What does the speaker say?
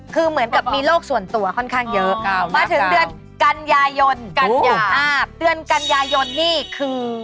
คือเหมือนกับมีโลกส่วนตัวค่อนข้างเยอะมาถึงเดือนกันยายนเดือนกันยายนนี่คือ